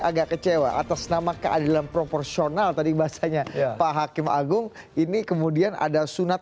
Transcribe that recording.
agak kecewa atas nama keadilan proporsional tadi bahasanya pak hakim agung ini kemudian ada sunat